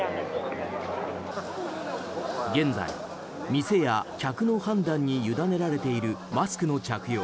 現在、店や客の判断に委ねられているマスクの着用。